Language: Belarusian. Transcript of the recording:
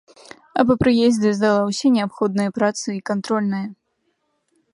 А па прыездзе здала ўсе неабходныя працы і кантрольныя.